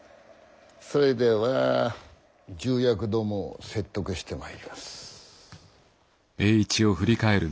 それでは重役どもを説得してまいります。